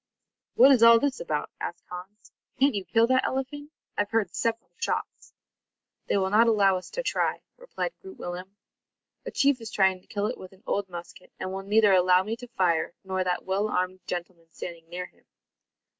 "What is all this about?" asked Hans. "Can't you kill that elephant? I've heard several shots." "They will not allow us to try," replied Groot Willem. "A chief is trying to kill it with an old musket, and will neither allow me to fire, nor that well armed gentleman standing near him."